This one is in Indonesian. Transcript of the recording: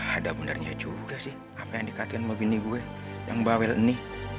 ada benarnya juga sih apa yang dikatakan mobil gue yang bawel ini